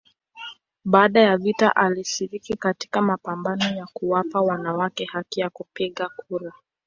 Baada ya vita alishiriki katika mapambano ya kuwapa wanawake haki ya kupiga kura.